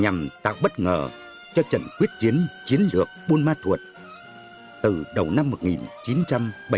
nhằm tác bất ngờ cho trận quyết chiến chiến lược buôn ma thuột từ đầu một nghìn chín trăm bảy mươi năm lực lượng chủ lực của mặt trận tây nguyên